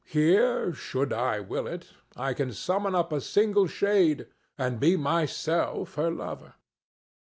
Here, should I will it, I can summon up a single shade and be myself her lover.